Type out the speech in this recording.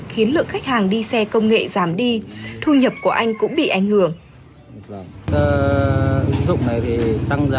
khiến lượng khách hàng đi xe công nghệ giảm đi thu nhập của anh cũng bị ảnh hưởng